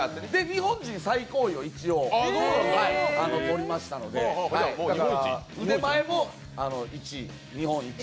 日本人最高位を一応取りましたので、だから、腕前も日本一。